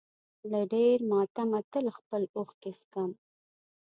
له ډېر ماتمه تل خپلې اوښکې څښم.